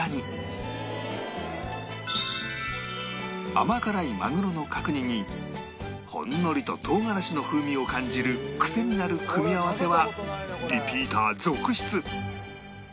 甘辛いまぐろの角煮にほんのりと唐辛子の風味を感じるクセになる組み合わせはリピーター続出